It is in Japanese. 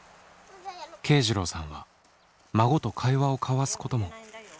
慶次郎さんは孫と会話を交わすこともできませんでした。